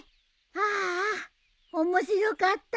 はあ面白かった。